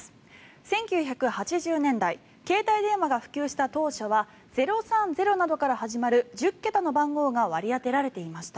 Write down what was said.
１９８０年代携帯電話が普及した当初は０３０などから始まる１０桁の番号が割り当てられていました。